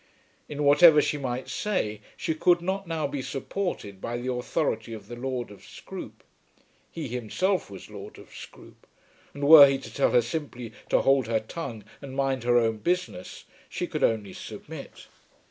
In whatever she might say she could not now be supported by the authority of the Lord of Scroope. He himself was lord of Scroope; and were he to tell her simply to hold her tongue and mind her own business she could only submit.